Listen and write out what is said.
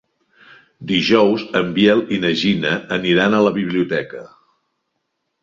Dijous en Biel i na Gina aniran a la biblioteca.